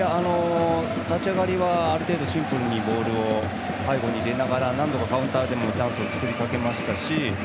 立ち上がりはある程度シンプルにボールを背後に入れながら何度かカウンターでもチャンスを作りかけましたし。